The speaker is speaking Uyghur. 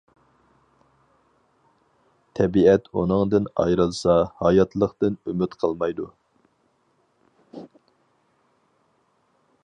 تەبىئەت ئۇنىڭدىن ئايرىلسا، ھاياتلىقتىن ئۈمىد قالمايدۇ.